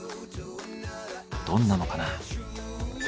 どんなのかな。